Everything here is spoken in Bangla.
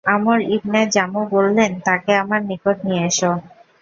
আমর ইবনে জামূহ বললেন, তাকে আমার নিকট নিয়ে এস।